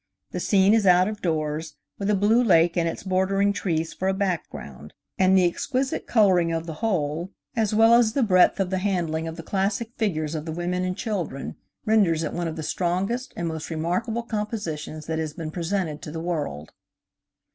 The scene is out of doors, with a blue lake and its bordering trees for a background, and the exquisite coloring of the whole, as well as the breadth of the handling of the classic figures of the women and children, renders it one of the strongest and most remarkable compositions that has been presented to the world.